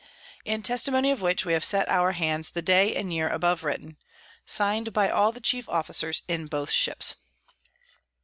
In Testimony of which, we have set our Hands the Day and Year above written._ Sign'd by all the chief Officers in both Ships.